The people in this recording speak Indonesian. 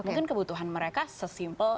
mungkin kebutuhan mereka sesimpel